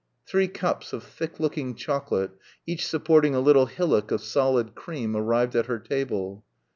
Three cups of thick looking chocolate, each supporting a little hillock of solid cream arrived at her table.